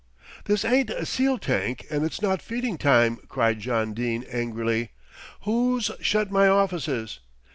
"This ain't a seal tank and it's not feeding time," cried John Dene angrily. "Who's shut my offices?"